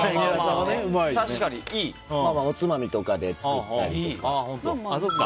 おつまみとかで作ったりとか。